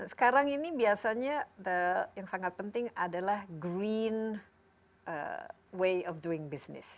sekarang ini biasanya yang sangat penting adalah green way of doing business